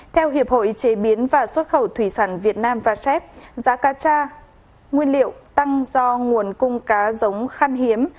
theo hiệp hội chế biến và xuất khẩu thủy sản việt nam vachet giá ca trang nguyên liệu tăng do nguồn cung cá giống khăn hiếm